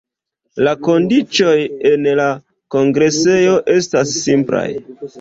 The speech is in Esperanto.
La kondiĉoj en la kongresejo estas simplaj.